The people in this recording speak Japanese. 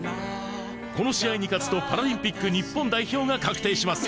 この試合に勝つとパラリンピック日本代表が確定します。